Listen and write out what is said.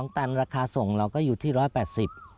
ตันราคาส่งเราก็อยู่ที่๑๘๐บาท